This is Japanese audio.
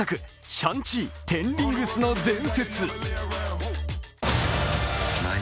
「シャン・チー／テン・リングスの伝説」